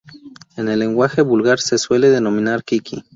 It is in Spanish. En el lenguaje vulgar se suele denominar "Kiki".